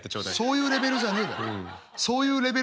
そういうレベルじゃねえだろ。